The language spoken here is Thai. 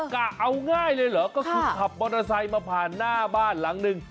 กะเอาง่ายเลยเหรอก็คือขับมอเตอร์ไซค์มาผ่านหน้าบ้านหลังหนึ่ง